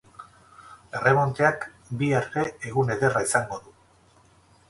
Erremonteak bihar ere egun ederra izango du.